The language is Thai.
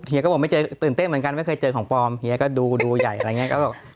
เฮียก็บอกเต้นเต้นเหมือนกันไม่เคยเจอของปลอมเฮียก็ดูดูใหญ่อะไรเงี้ย